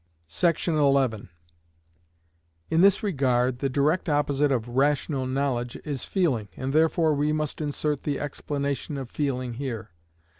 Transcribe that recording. § 11. In this regard the direct opposite of rational knowledge is feeling, and therefore we must insert the explanation of feeling here.